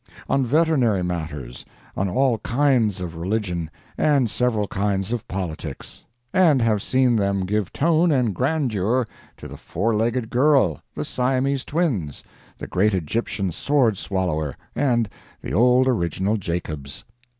on veterinary matters, on all kinds of religion, and several kinds of politics; and have seen them give tone and grandeur to the Four legged Girl, the Siamese Twins, the Great Egyptian Sword Swallower, and the Old Original Jacobs.